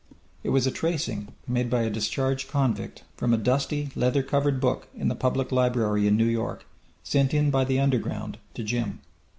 It was a tracing made by a discharged convict from a dusty leather covered book in the public library in New York, sent in by the underground to Jim.